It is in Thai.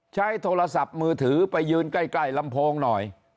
ใช้โทรศัพท์มือถือไปยืนใกล้ลำโพงหน่อย